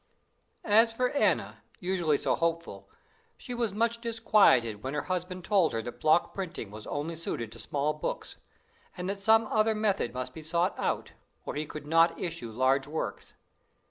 As for Anna, usually so hopeful, she was much disquieted when her husband told her that block printing was only suited to small books, and that some other method must be sought out, or he could not issue large works.